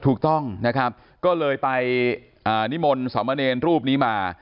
ถูกต้องนะครับก็เลยไปนิมนต์สามเณรรูปนี้มา